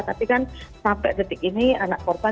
tapi kan sampai detik ini anak korban